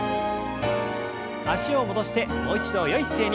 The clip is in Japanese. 脚を戻してもう一度よい姿勢に。